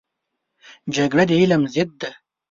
جګړه د علم ضد دی